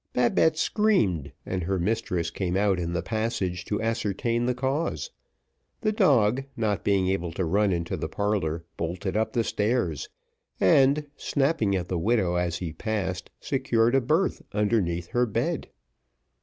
Babette screamed, and her mistress came out in the passage to ascertain the cause; the dog not being able to run into the parlour, bolted up the stairs, and snapping at the widow as he passed, secured a berth underneath her bed.